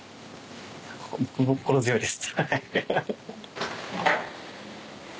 僕も心強いです。